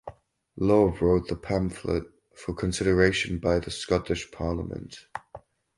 Law wrote the pamphlet for consideration by the Scottish Parliament.